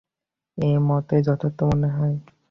এ মতই যথার্থ মনে হয়।